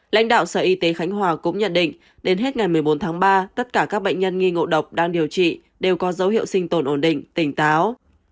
lãnh đạo sở y tế khánh hòa cũng nhận định đến hết ngày một mươi bốn tháng ba tất cả các bệnh nhân nghi ngộ độc đang điều trị đều có dấu hiệu sinh tồn ổn định tỉnh táo